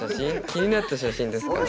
気になった写真ですか？